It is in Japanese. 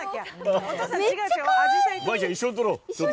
舞衣ちゃん、一緒に撮ろう。